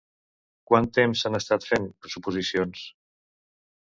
Quant temps s'han estat fent suposicions?